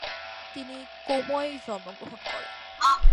তিনি কোমোয় জন্মগ্রহণ করেন।